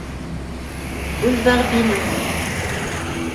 Boulevard Bineau.